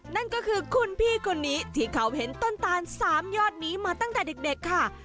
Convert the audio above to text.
นั่นก็คือคุณพี่คนนี้ที่เขาเห็นต้นตาล๓ยอดนี้มาตั้งแต่เด็กค่ะ